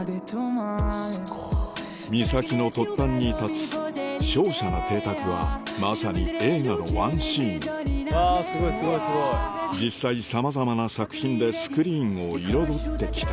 岬の突端に立つ瀟洒な邸宅はまさに映画のワンシーン実際さまざまな作品でスクリーンを彩ってきた